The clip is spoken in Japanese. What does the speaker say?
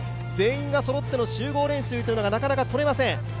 全員がそろっての集合練習がなかなか取れません。